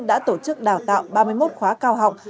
đã tổ chức đào tạo ba mươi một khóa cao học